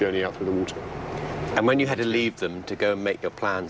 อาทิตย์รังคงไม่ว่าพนักชายที่รอดสิ่งยังมีแค่สมทุน